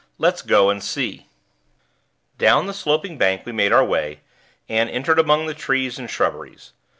Let's go and see." Down the sloping bank we made our way, and entered among the trees and shrubberies.